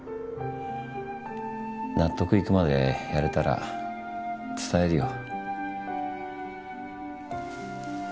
納得いくまでやれたら伝えるよ。